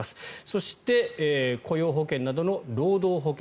そして雇用保険などの労働保険。